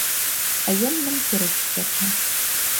А ён нам пірог спячэ.